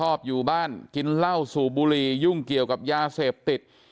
ชอบอยู่บ้านกินเหล้าสูบบุหรี่ยุ่งเกี่ยวกับยาเสพติด